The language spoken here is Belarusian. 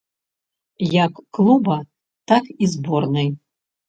Як клуба, так і зборнай.